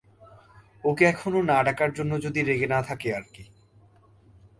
ওকে এখনো না ডাকার জন্য যদি রেগে না থাকে আরকি।